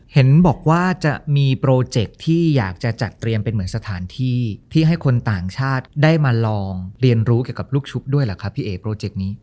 เห็นบอกว่าจะมีโปรเจคที่อยากจะจัดเตรียมเป็นเหมือนสถานที่ที่ให้คนต่างชาติได้มาลองเรียนรู้เกี่ยวกับลูกชุบด้วยเหรอครับพี่เอ๋โปรเจกต์นี้